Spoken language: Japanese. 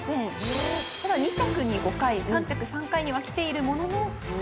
ただ２着に５回３着３回にはきているものの。